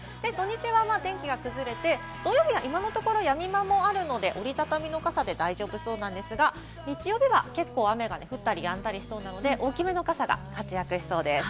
土日は天気が崩れて、土曜日は今のところやみ間があるので、折り畳みの傘で大丈夫そうですが、日曜日は結構、雨が降ったりやんだりそうなので、大きめの方が活躍しそうです。